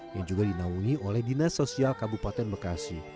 yang juga dinaungi oleh dinas sosial kabupaten bekasi